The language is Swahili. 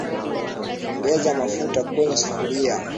Ongeza mafuta kwenye sufuria